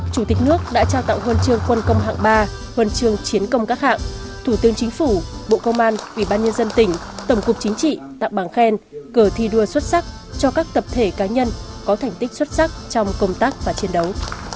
chủ tịch nước đã trao tặng huân chương quân công hạng ba huân chương chiến công các hạng thủ tướng chính phủ bộ công an ủy ban nhân dân tỉnh tổng cục chính trị tặng bằng khen cờ thi đua xuất sắc cho các tập thể cá nhân có thành tích xuất sắc trong công tác và chiến đấu